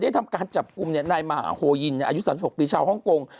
ทำการจับกลุ่มนายมหาโฮยินอายุ๓๖ปีชาวฮ่องกง